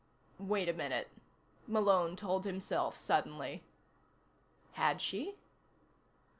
"Wait a minute," Malone told himself suddenly. Had she?